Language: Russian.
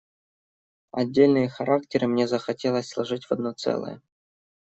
Отдельные характеры мне захотелось сложить в одно целое.